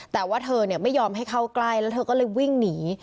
แต่ว่าเธอไม่ยอมให้เข้าใกล้แล้วเธอก็เลยวิ่งหนี